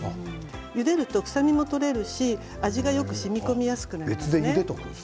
ゆでると臭みも取れるし味がよくしみこみやすくなります。